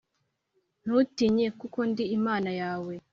Ntutinye kuko ndi imana yawe